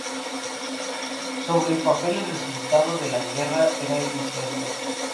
Sobre el papel, el resultado de la guerra era incierto.